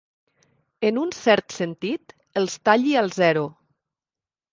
En un cert sentit, els talli al zero.